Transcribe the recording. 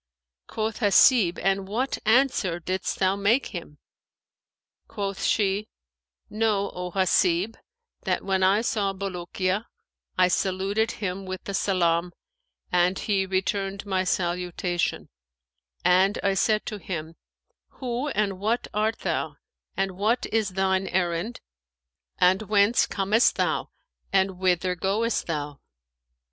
Quoth Hasib, "And what answer didst thou make him?" Quoth she, "Know, O Hasib, that when I saw Bulukiya, I saluted him with the salam, and he returned my salutation, and I said to him, 'Who and what art thou and what is thine errand and whence comest thou and whither goest thou?'